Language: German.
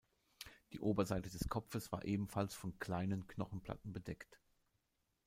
Die Oberseite des Kopfes war ebenfalls von kleinen Knochenplatten bedeckt.